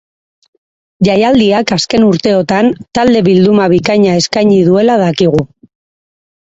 Jaialdiak azken urteotan talde bilduma bikaina eskaini duela dakigu.